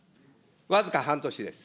僅か半年です。